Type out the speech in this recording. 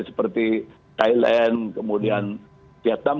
seperti thailand kemudian vietnam